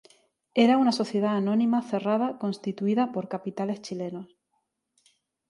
Era una sociedad anónima cerrada constituida por capitales chilenos.